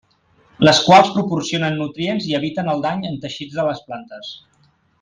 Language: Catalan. Les quals proporcionen nutrients i eviten el dany en els teixits de les plantes.